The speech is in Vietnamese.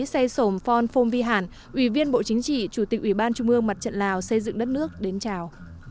xe sổm phon phong vi hản ủy viên bộ chính trị chủ tịch ủy ban trung ương mặt trận lào xây dựng đất nước đến chào